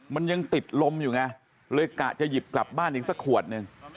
มันยังติดลมอยู่ไงเลยกะจะหยิบกลับบ้านอีกสักขวดหนึ่ง